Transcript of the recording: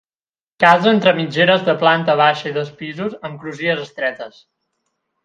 Casa entre mitgeres de planta baixa i dos pisos, amb crugies estretes.